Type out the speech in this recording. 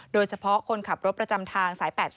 โดยเฉพาะคนขับรถประจำทางสาย๘๐